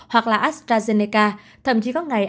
hoặc astrazeneca thậm chí có ngày